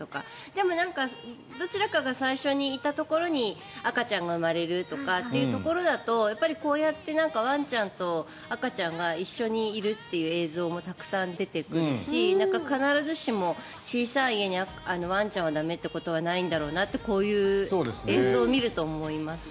でもどちらかが最初にいたところに赤ちゃんが生まれるとかというところだとこうやってワンちゃんと赤ちゃんが一緒にいるという映像もたくさん出てくるし、必ずしも小さい家にワンちゃんは駄目ということはないんだろうなということはこういう映像を見ると思いますよね。